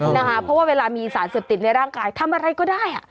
เพราะว่าเวลามีสารเสพติดในร่างกายทำอะไรก็ได้